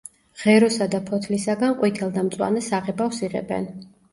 ღეროსა და ფოთლისაგან ყვითელ და მწვანე საღებავს იღებენ.